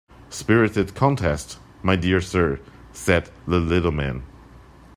‘Spirited contest, my dear sir,’ said the little man.